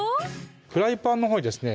フライパンのほうにですね